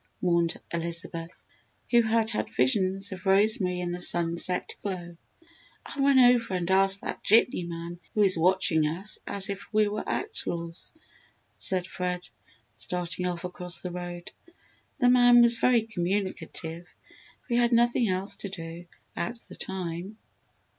mourned Elizabeth, who had had visions of Rosemary in the sunset glow. "I'll run over and ask that jitney man who is watching us as if we were outlaws," said Fred, starting off across the road. The man was very communicative for he had nothing else to do at the time.